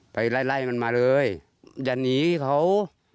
ไปไล่ไล่มันมาเลยอย่าหนีเขา